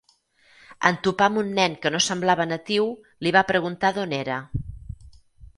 En topar amb un nen que no semblava natiu, li va preguntar d'on era.